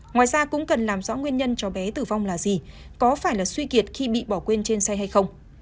ngoài ra cũng cần làm rõ nguyên nhân cháu bé tử vong là gì có phải là suy kiệt khi bị bỏ quên trên xe hay không